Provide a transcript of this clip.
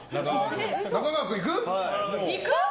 中川君いく？